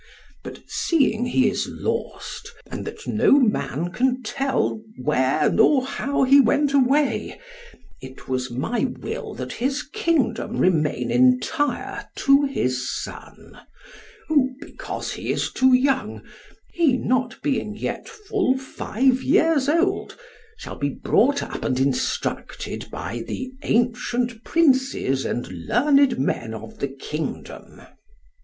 But seeing he is lost, and that no man can tell where nor how he went away, it is my will that his kingdom remain entire to his son; who, because he is too young, he not being yet full five years old, shall be brought up and instructed by the ancient princes and learned men of the kingdom.